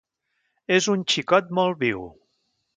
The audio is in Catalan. És un xicot molt viu.